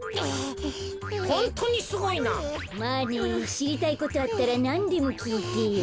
しりたいことあったらなんでもきいてよ。